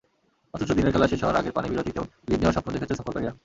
অথচ দিনের খেলা শেষ হওয়ার আগের পানিবিরতিতেও লিড নেওয়ার স্বপ্ন দেখেছে সফরকারীরা।